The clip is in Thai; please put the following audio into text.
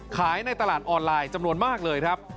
ในตลาดออนไลน์จำนวนมากเลยครับ